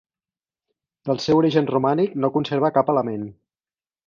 Del seu origen romànic no conserva cap element.